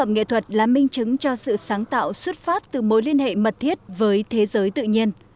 nghệ thuật là minh chứng cho sự sáng tạo xuất phát từ mối liên hệ mật thiết với thế giới tự nhiên